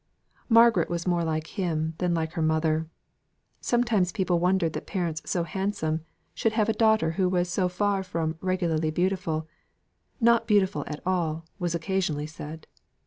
Margaret was more like him than like her mother. Sometimes people wondered that parents so handsome should have a daughter who was so far regularly beautiful; not beautiful at all, was occasionally said.